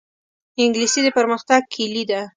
انګلیسي د پرمختګ کلي ده